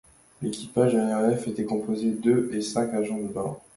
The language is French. L’équipage de l’aéronef était composé de et cinq agents de bord.